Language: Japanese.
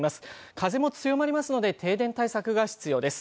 風も強まりますので、停電対策が必要です。